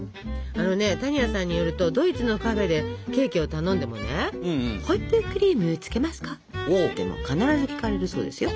あのね多仁亜さんによるとドイツのカフェでケーキを頼んでもね「ホイップクリームつけますか？」って必ず聞かれるそうですよ。